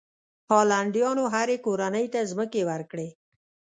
هالنډیانو هرې کورنۍ ته ځمکې ورکړې.